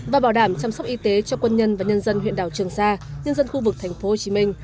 và bảo đảm chăm sóc y tế cho quân nhân và nhân dân huyện đảo trường sa nhân dân khu vực tp hcm